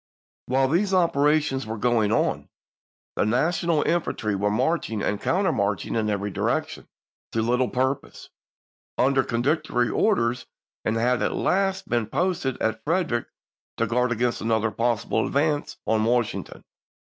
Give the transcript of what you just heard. While these operations were going on, the Na tional infantry were marching and countermarch ing in every direction, to little purpose, under contradictory orders, and had at last been posted at Frederick to guard against another possible advance on Washington.